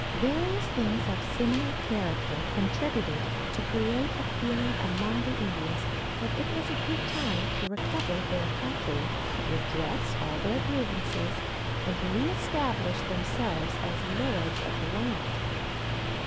Various things of similar character contributed to create a feeling among the Indians that it was a good time to recover their country, redress all their grievances, and reestablish themselves as lords of the land.